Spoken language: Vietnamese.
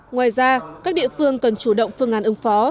ngoài ra các địa phương cần chủ động phương án ứng phó